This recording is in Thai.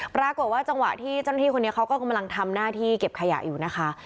ปรากฏว่าจังหวะที่เจ้าหน้าที่คนนี้เขาก็กำลังทำหน้าที่เก็บขยะอยู่นะคะ